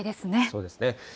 そうですね。